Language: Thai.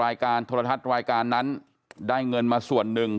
รายการโทรทัศน์รายการนั้นได้เงินมาส่วนหนึ่ง